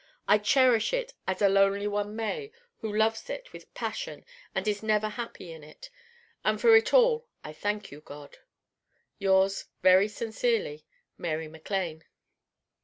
I cherish it as a lonely one may who loves it with passion and is never happy in it. And for it all I thank you, God. Yours very sincerely, Mary MacLane.